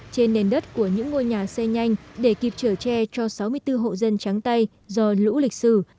trên nền đất của những ngôi nhà xây nhanh để kịp trở tre cho sáu mươi bốn hộ dân trắng tay do lũ lịch sử